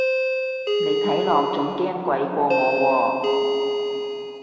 你睇落仲驚鬼過我喎